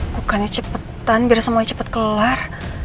bukannya cepetan biar semuanya cepat kelar